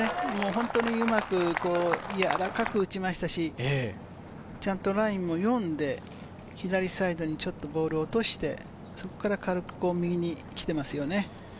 本当にうまく、柔らかく打ちましたし、ちゃんとラインも読んで、左サイドにちょっとボールを落として、そこから軽く右に来てますよね。